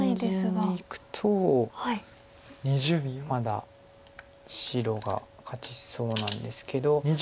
単純にいくとまだ白が勝ちそうなんですけど。